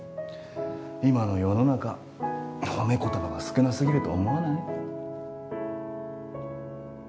今の世の中褒め言葉が少なすぎると思わない？